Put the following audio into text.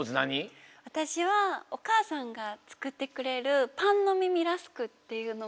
わたしはおかあさんがつくってくれるパンのみみラスクっていうのが。